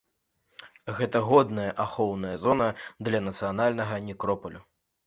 Гэта годная ахоўная зона для нацыянальнага некропалю.